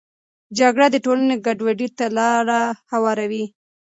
جګړه د ټولنې ګډوډي ته لاره هواروي.